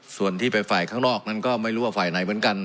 ส่วนที่ไปฝ่ายข้างนอกนั้นก็ไม่รู้ว่าฝ่ายไหนเหมือนกัน